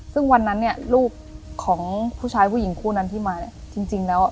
ซึ่งวันนั้นเนี่ยลูกของผู้ชายผู้หญิงคู่นั้นที่มาเนี่ยจริงแล้ว